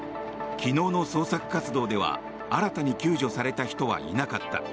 昨日の捜索活動では新たに救助された人はいなかった。